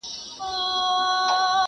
o موږ چي غلا شروع کړه، بيا سپوږمۍ راوخته!